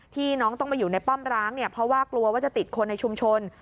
ที่น้องต้องมาอยู่ในป้อมร้างเนี่ยเพราะว่ากลัวว่าจะติดคนในชุมชน